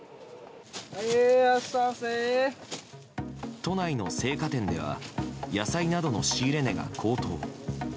都内の青果店では野菜などの仕入れ値が高騰。